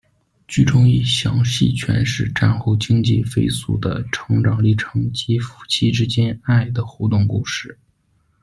剧中亦详细诠释战后经济飞速的成长历程及夫妻之间爱的互动故事。